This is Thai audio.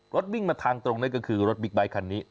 รถวิ่งมาทางตรงนั่นก็คือรถบิ๊กไบท์คันนี้